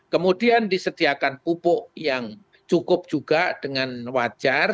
kemudian disediakan pupuk yang cukup juga dengan wajar